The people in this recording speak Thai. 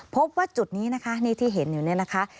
พบว่าจุดนี้นะคะนี่ที่เห็นอยู่เนี่ยนะคะ